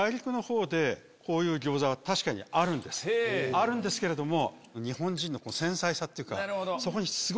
あるんですけれども。